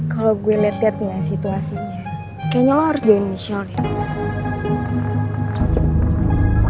kalo gue liat liat gak situasinya kayaknya lo harus jauhin michelle deh